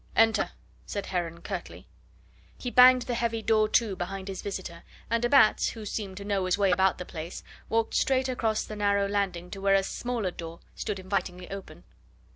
"Enter!" said Heron curtly. He banged the heavy door to behind his visitor; and de Batz, who seemed to know his way about the place, walked straight across the narrow landing to where a smaller door stood invitingly open.